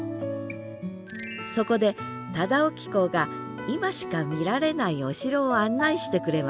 そこで忠興公が今しか見られないお城を案内してくれました